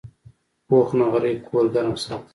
پوخ نغری کور ګرم ساتي